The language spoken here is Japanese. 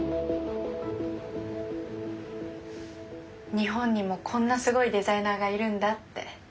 日本にもこんなすごいデザイナーがいるんだって。